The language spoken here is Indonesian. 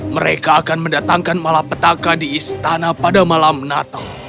mereka akan mendatangkan malapetaka di istana pada malam natal